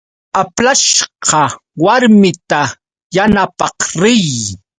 Aplashqa warmita yanapaq riy.